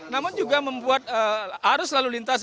namun juga membuat arus lalu lintas